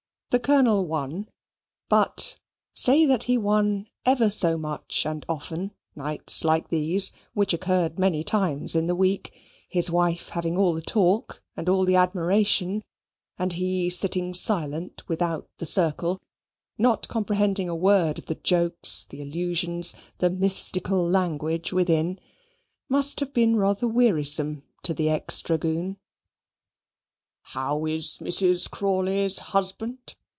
The Colonel won; but, say that he won ever so much and often, nights like these, which occurred many times in the week his wife having all the talk and all the admiration, and he sitting silent without the circle, not comprehending a word of the jokes, the allusions, the mystical language within must have been rather wearisome to the ex dragoon. "How is Mrs. Crawley's husband?"